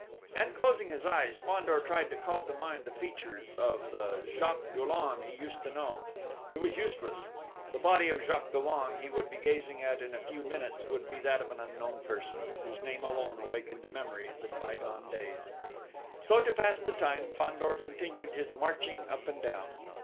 And, closing his eyes, Fandor tried to call to mind the features of the Jacques Dollon he used to know: it was useless! The body of Jacques Dollon he would be gazing at in a few minutes would be that of an unknown person, whose name alone awakened memories of bygone days.... So to pass the time Fandor continued his marching up and down.